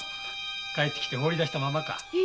帰って来て放り出したままか。